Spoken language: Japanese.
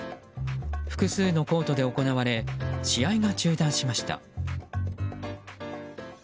複数のコートで行われ試合が中断しました。